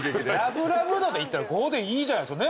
ラブラブ度でいったら５でいいじゃないですか。